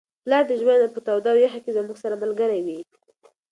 پلار د ژوند په توده او یخه کي زموږ سره ملګری وي.